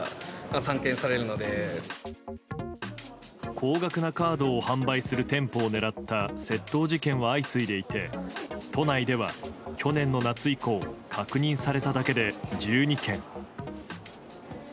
高額なカードを販売する店舗を狙った窃盗事件は相次いでいて都内では、去年の夏以降確認されただけで１２件。